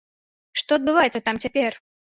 Што адбываецца там цяпер?